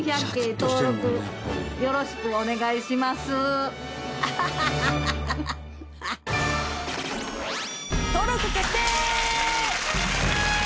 登録決定！